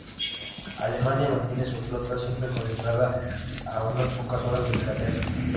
Alemania mantiene su flota siempre concentrada a unas pocas horas de Inglaterra.